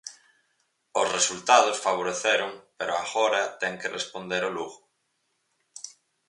Os resultados favoreceron, pero agora ten que responder o Lugo.